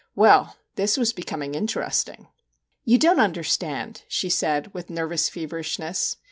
Well this was becoming interesting. * You don't understand,' she said, with nervous feverishness.